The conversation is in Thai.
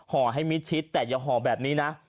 ให้มิดชิดแต่อย่าห่อแบบนี้นะ